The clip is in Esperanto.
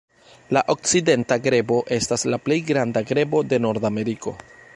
La Okcidenta grebo estas la plej granda grebo de Nordameriko.